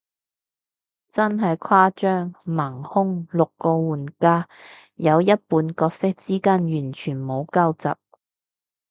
真係誇張，盲兇，六個玩家，有一半角色之間完全冇交集，